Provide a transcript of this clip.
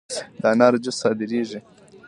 د انارو جوس صادریږي؟